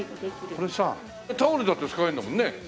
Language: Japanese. これさタオルだって使えるんだもんね。